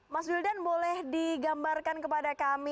mas wildan boleh digambarkan kepada kami